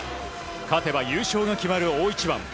勝てば優勝が決まる大一番。